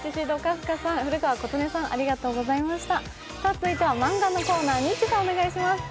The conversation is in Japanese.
続いてはマンガのコーナー、ニッチェさんお願いします。